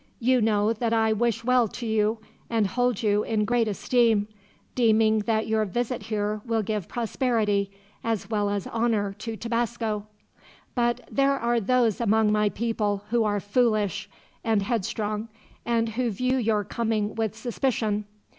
You know that I wish well to you, and hold you in great esteem, deeming that your visit here will give prosperity, as well as honor, to Tabasco. But there are those among my people who are foolish and headstrong, and who view your coming with suspicion.